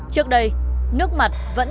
trước đây nước mặt vẫn là nguồn nước chính